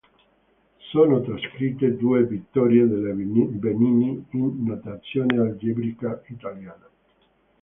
Sono trascritte due vittorie della Benini in notazione algebrica italiana.